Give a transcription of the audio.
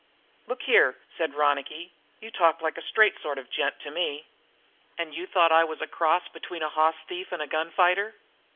"Look here," said Ronicky, "you talk like a straight sort of a gent to me." "And you thought I was a cross between a hoss thief and a gunfighter?"